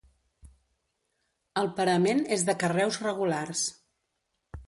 El parament és de carreus regulars.